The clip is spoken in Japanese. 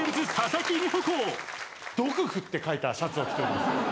「毒婦」って書いたシャツを着ております。